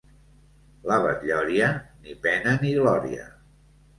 La Batllòria, ni pena ni glòria.